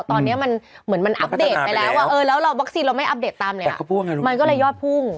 ตอนนี้มันเหมือนมันอัปเดตไปแล้วว่าเออแล้วเราวัคซีนเราไม่อัปเดตตามเนี่ยมันก็เลยยอดพุ่ง